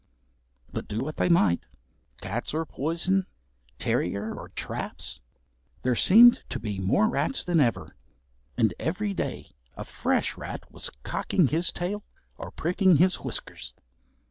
But do what they might, cats or poison, terrier or traps, there seemed to be more rats than ever, and every day a fresh rat was cocking his tail or pricking his whiskers.